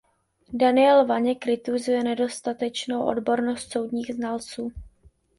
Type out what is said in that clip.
Daniel Vaněk kritizuje nedostatečnou odbornost soudních znalců.